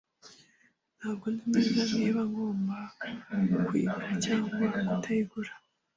Ntabwo nzi neza niba ngomba kuyigura cyangwa kutayigura.